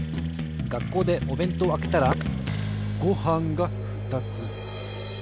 がっこうでおべんとうをあけたらごはんがふたつ。